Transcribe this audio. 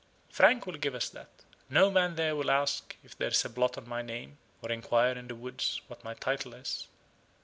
Frank will give us that. No man there will ask if there is a blot on my name, or inquire in the woods what my title is."